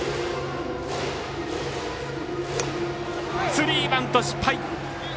スリーバント失敗。